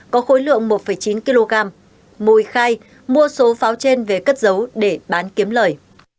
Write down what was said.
có khối lượng một chín kg mùi khai mua số pháo trên về cất giấu để bán kiếm lời